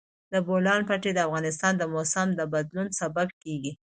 د بولان پټي د افغانستان د موسم د بدلون سبب کېږي.